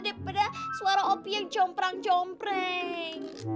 daripada suara opi yang jomprang jompreng